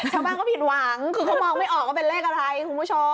ชาวบ้านก็ผิดหวังคือเขามองไม่ออกว่าเป็นเลขอะไรคุณผู้ชม